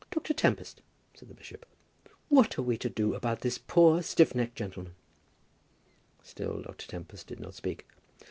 "Dr. Tempest," said the bishop, "what are we to do about this poor stiff necked gentleman?" Still Dr. Tempest did not speak.